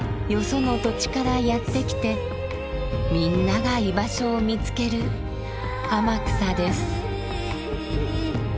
その土地からやって来てみんなが居場所を見つける天草です。